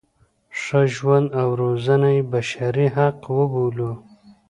ښه ژوند او روزنه یې بشري حق وبولو.